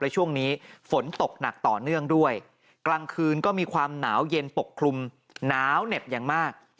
และช่วงนี้ฝนตกหนักต่อเนื่องด้วยกลางคืนก็มีความหนาวเย็นปกคลุมหนาวเหน็บอย่างมาก